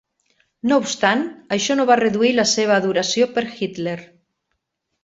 No obstant, això no va reduir la seva adoració per Hitler.